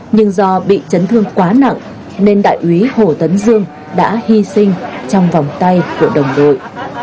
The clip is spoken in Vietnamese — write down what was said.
nhưng do bị chấn thương quá nặng nên đại úy hồ tấn dương đã hy sinh trong vòng tay của đồng đội